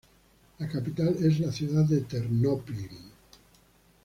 La capital es la ciudad de Ternópil.